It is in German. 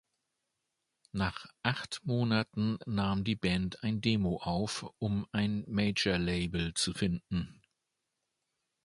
Nach acht Monaten nahm die Band ein Demo auf, um ein Major-Label zu finden.